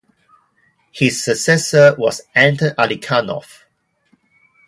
His successor was Anton Alikhanov.